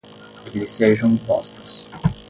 que lhe sejam impostas